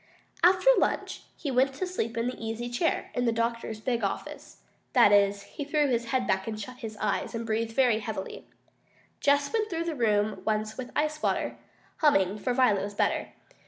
After lunch he went to sleep in the easy chair in the doctor's big office. That is, he threw his head back and shut his eyes, and breathed very heavily. Jess went through the room once with ice water, humming, for Violet was better.